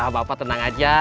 bapak tenang aja